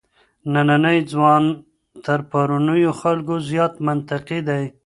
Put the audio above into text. نننی ځوان تر پرونيو خلګو زيات منطقي دی.